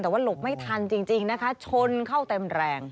แต่ว่าหลบไม่ทันจริงนะคะชนเข้าเต็มแรง